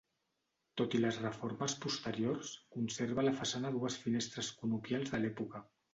Tot i les reformes posteriors conserva a la façana dues finestres conopials de l'època.